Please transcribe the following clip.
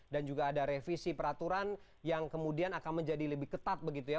dan juga ada revisi peraturan yang kemudian akan menjadi lebih ketat begitu ya